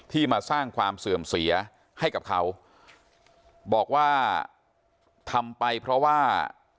มาสร้างความเสื่อมเสียให้กับเขาบอกว่าทำไปเพราะว่า